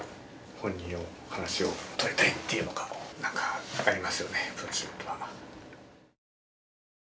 本人の話を取りたいっていうのが何かありますよね「文春」には。